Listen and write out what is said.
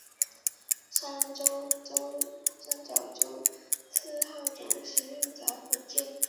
三角洲四号中型运载火箭。